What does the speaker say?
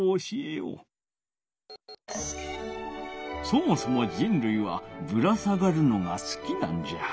そもそも人るいはぶら下がるのがすきなんじゃ。